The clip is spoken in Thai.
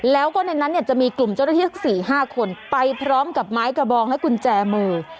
แล้วก็ในนั้นเนี่ยจะมีกลุ่มเจ้าหน้าที่สัก๔๕คนไปพร้อมกับไม้กระบองและกุญแจมือ